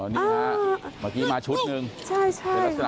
อ๋อนี่ค่ะเมื่อกี้มาชุดหนึ่งใช่ใช่ค่ะ